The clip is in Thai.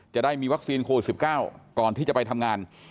จะได้มีวัคซีนโควิด๑๙ก่อนที่จะไปทำงาน